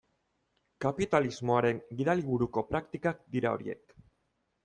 Kapitalismoaren gidaliburuko praktikak dira horiek.